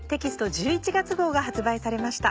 １１月号が発売されました。